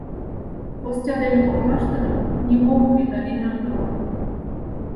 — Костя дене коклаштына нимо уке да лийынат огыл.